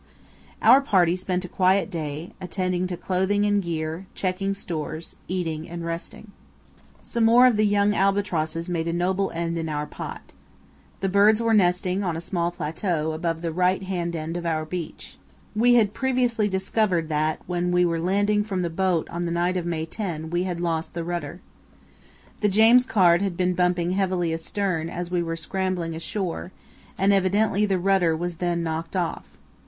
Our party spent a quiet day, attending to clothing and gear, checking stores, eating and resting. Some more of the young albatrosses made a noble end in our pot. The birds were nesting on a small plateau above the right hand end of our beach. We had previously discovered that when we were landing from the boat on the night of May 10 we had lost the rudder. The James Caird had been bumping heavily astern as we were scrambling ashore, and evidently the rudder was then knocked off.